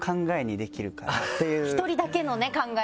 １人だけの考え